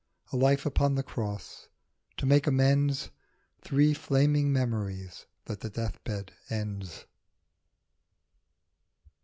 A life upon the cross. To make amends, Three flaming memories that the deathbed ends.